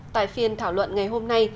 tại phiên thảo luận ngày hôm nay